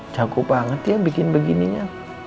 jago banget ya bikin begininya